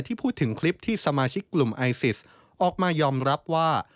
ที่พูดถึงคลิปที่สมาชิกกลุ่มไอซิสออกมายอมรับว่า